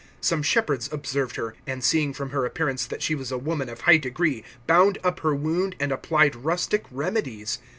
Some shepherds observed her, and, seeing from her appearance that she was a woman of high degree, bound up her wound, and applied rustic remedies.